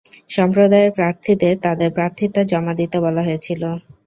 সম্প্রদায়ের প্রার্থীদের তাদের প্রার্থীতা জমা দিতে বলা হয়েছিল।